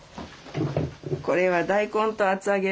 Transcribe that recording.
これは大根と厚揚げ。